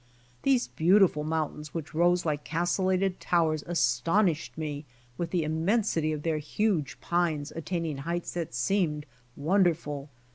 These beautiful moun tains which /rose like castelated towers astonished me with the immensity of their huge pines attaining heights that seemed wonderful.